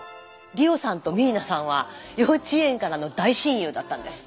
理央さんと未唯奈さんは幼稚園からの大親友だったんです。